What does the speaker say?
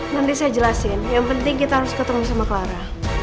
nanti saya jelasin yang penting kita harus ketemu sama clara